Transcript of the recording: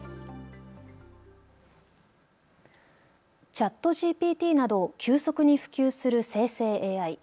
ＣｈａｔＧＰＴなど急速に普及する生成ＡＩ。